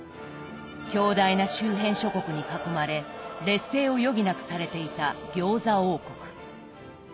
強大な周辺諸国に囲まれ劣勢を余儀なくされていた餃子王国。